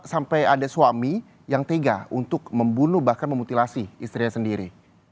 sampai ada suami yang tega untuk membunuh bahkan memutilasi istrinya sendiri